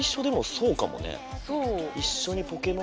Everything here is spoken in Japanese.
そう。